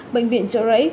bệnh viện chợ rẫy